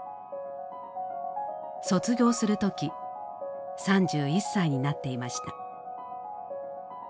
卒業する時３１歳になっていました。